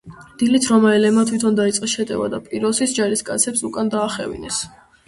დილით რომაელებმა თვითონ დაიწყეს შეტევა და პიროსის ჯარისკაცებს უკან დაახევინეს.